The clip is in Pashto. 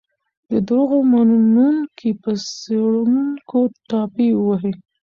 د دروغو منونکي په څېړونکو ټاپې وهي.